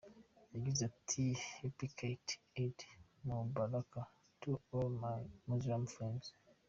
Yagize ati "Happy Kate! Eid Mubarak to all my muslim friends".